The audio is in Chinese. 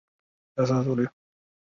后担任云南省第二届人大代表。